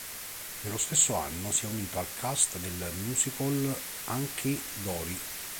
Nello stesso anno si è unito al cast del musical "Hunky Dory".